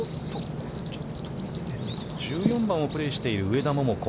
１４番をプレーしている、上田桃子。